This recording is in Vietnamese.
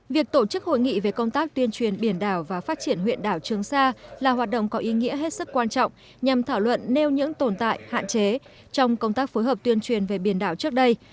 việc tổ chức hội nghị về công tác tuyên truyền biển đảo và phát triển huyện đảo trường sa là hoạt động có ý nghĩa hết sức quan trọng nhằm thảo luận nêu những tồn tại hạn chế trong công tác phối hợp tuyên truyền về biển đảo trước đây